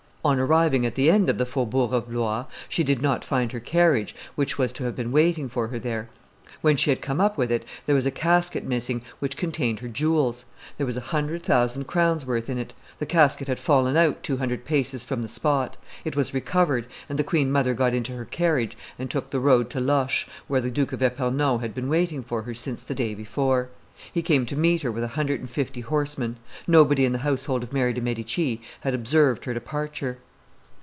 On arriving at the end of the faubourg of Blois, she did not find her carriage, which was to hwe been waiting for her there. When she had come up with it, there was a casket missing which contained her jewels; there was a hundred thousand crowns' worth in it; the casket had fallen out two hundred paces from the spot; it was recovered, and the queen mother got into her carriage and took the road to Loches, where the Duke of Epernon had been waiting for her since the day before. He came to meet her with a hundred and fifty horsemen. Nobody in the household of Mary de'Medici had observed her departure.